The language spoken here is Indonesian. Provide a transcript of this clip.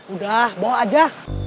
udah bawa aja